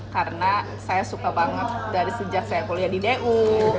karena saya suka banget dari sejak saya kuliah di du